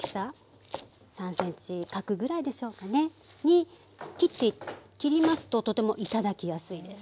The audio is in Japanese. ３ｃｍ角ぐらいでしょうかねに切りますととても頂きやすいです。